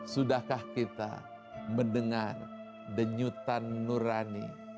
sudahkah kita mendengar denyutan nurani